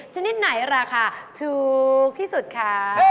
ชนิดไหนราคาถูกที่สุดคะ